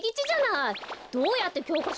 どうやってきょうかしょぬくのよ！